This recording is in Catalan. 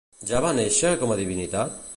Ja va néixer com a divinitat?